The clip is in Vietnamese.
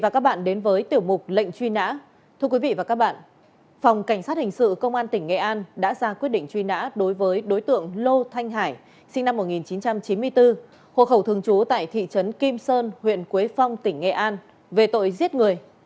các hình sự công an tỉnh nghệ an đã ra quyết định truy nã đối với đối tượng lô thanh hải sinh năm một nghìn chín trăm chín mươi bốn hồ khẩu thường chú tại thị trấn kim sơn huyện quế phong tỉnh nghệ an về tội giết người